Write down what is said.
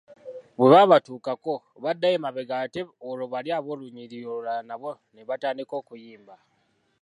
"Bwe babatuukako, baddayo emabega ate olwo bali ab’olunyiriri olulala nabo ne batandika okuyimba."